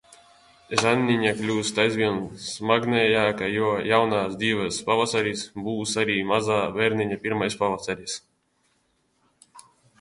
Žanniņa kļūst aizvien smagnējāka, jo jaunās dzīves pavasaris būs arī mazā bērniņa pirmais pavasaris.